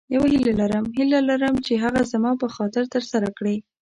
یوه هیله لرم هیله لرم چې هغه زما په خاطر تر سره کړې.